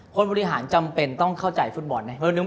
คนบริหารจำเป็นต้องเข้าใจฟุตบอลนะ